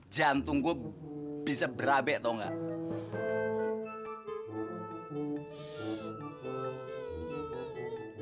jantung gue bisa berabe tau gak